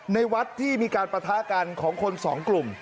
ในวัดที่มีการปะทะกันของคนสองกลุ่ม